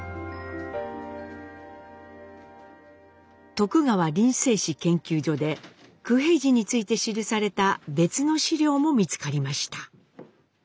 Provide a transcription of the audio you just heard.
徳川林政史研究所で九平治について記された別の資料も見つかりました。